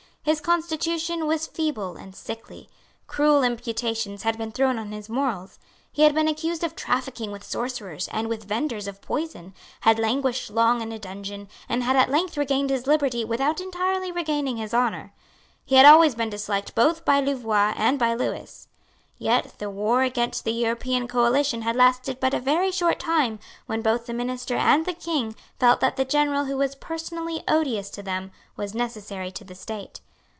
His constitution was feeble and sickly. Cruel imputations had been thrown on his morals. He had been accused of trafficking with sorcerers and with vendors of poison, had languished long in a dungeon, and had at length regained his liberty without entirely regaining his honour. He had always been disliked both by Louvois and by Lewis. Yet the war against the European coalition had lasted but a very short time when both the minister and the King felt that the general who was personally odious to them was necessary to the state.